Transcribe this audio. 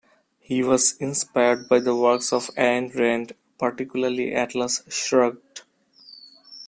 He was inspired by the works of Ayn Rand, particularly Atlas Shrugged.